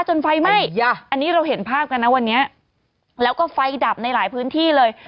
ไฟไหม้อันนี้เราเห็นภาพกันนะวันนี้แล้วก็ไฟดับในหลายพื้นที่เลย